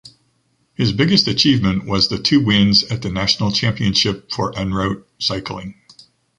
His biggest achievement was the two wins at the National Championship for en route cycling.